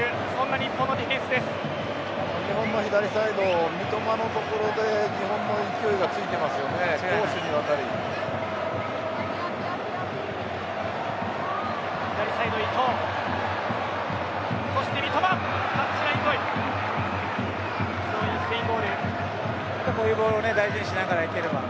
日本の左サイド三笘のところで、日本の勢いが攻守にわたってついていますね。